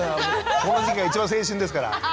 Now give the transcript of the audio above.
この時期が一番青春ですから。